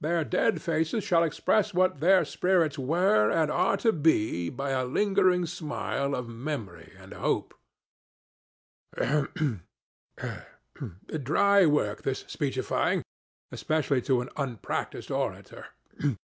Their dead faces shall express what their spirits were and are to be by a lingering smile of memory and hope. Ahem! Dry work, this speechifying, especially to an unpractised orator.